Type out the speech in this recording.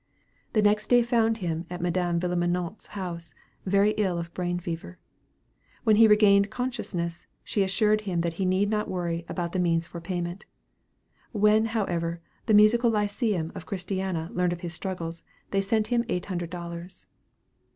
The next day found him at Madam Villeminot's house, very ill of brain fever. When he regained consciousness, she assured him that he need not worry about the means for payment. When, however, the Musical Lyceum of Christiana learned of his struggles, they sent him eight hundred dollars.